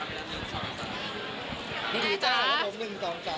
แอร์ไกลใจก็ได้มา